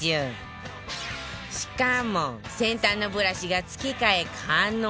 しかも先端のブラシが付け替え可能